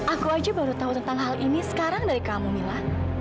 aku aja baru tahu tentang hal ini sekarang dari kamu mila